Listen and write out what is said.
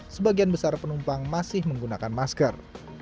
sebagian besar penumpang masih menggunakan masker